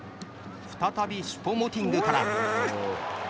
再びシュポモティングから。